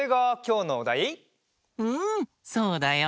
うんそうだよ。